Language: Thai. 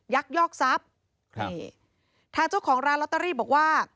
ยอกทรัพย์นี่ทางเจ้าของร้านลอตเตอรี่บอกว่า